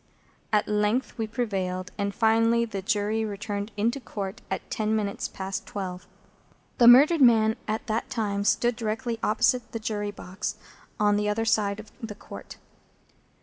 At length we prevailed, and finally the Jury returned into Court at ten minutes past twelve. The murdered man at that time stood directly opposite the Jury box, on the other side of the Court.